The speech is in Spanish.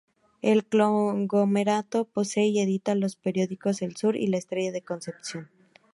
El conglomerado posee y edita dos periódicos, El Sur y La Estrella de Concepción.